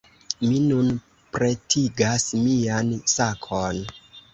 Mi nun pretigas mian sakon.